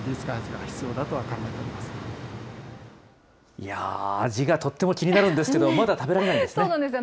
いやー、味がとっても気になるんですけど、まだ食べられないんですね。